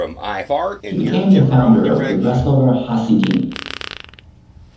He became the founder of the Breslover Hasidim.